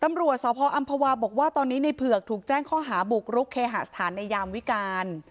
ตำรวจสพออำภาวาบอกว่าตอนนี้ในเผือกถูกแจ้งข้อหาบุกรุกเคหาสถานในยามวิการ